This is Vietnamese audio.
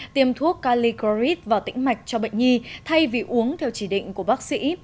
tiêm thuốc calicorris vào tĩnh mạch cho bệnh nhi thay vì uống theo chỉ định của bác sĩ